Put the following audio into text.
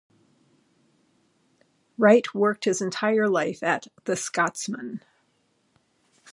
Wright worked his entire life at "The Scotsman".